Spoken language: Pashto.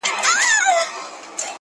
ډلي ډلي له هوا څخه راتللې -